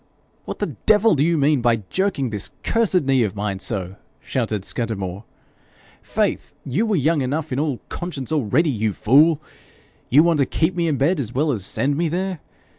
'What the devil do you mean by jerking this cursed knee of mine so?' shouted Scudamore. 'Faith, you were young enough in all conscience already, you fool! You want to keep me in bed, as well as send me there!